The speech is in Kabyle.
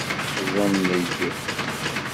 Ẓenneg.